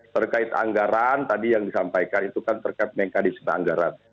terkait anggaran tadi yang disampaikan itu kan terkait mekanisme anggaran